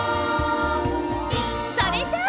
それじゃあ！